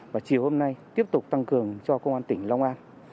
và chiều hôm nay tiếp tục tăng cường cho công an tỉnh long an